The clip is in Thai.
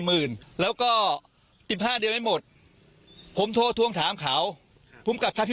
เพื่อคนแขกแต่คนตายเขาเป็นคนดี